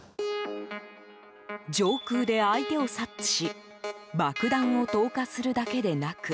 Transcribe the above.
上空で相手を察知し爆弾を投下するだけでなく